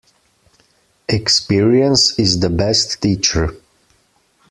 Experience is the best teacher.